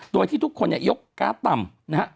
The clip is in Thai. โดยที่ทุกคนยัยยกการ์ดต่ำ